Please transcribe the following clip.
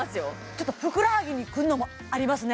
ちょっとふくらはぎにくるのもありますね